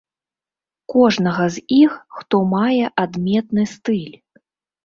Кожнага з іх, хто мае адметны стыль.